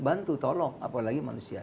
bantu tolong apalagi manusia